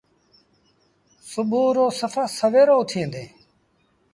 سُڀو رو سڦآ سويرو اُٿيٚن ديٚݩ۔